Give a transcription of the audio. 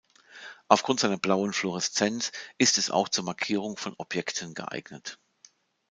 Aufgrund seiner blauen Fluoreszenz ist es auch zur Markierung von Objekten geeignet.